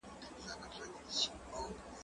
اوبه پاکه کړه!؟